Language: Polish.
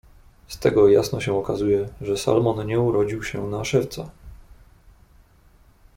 "Z tego jasno się okazuje, że Salomon nie urodził się na szewca."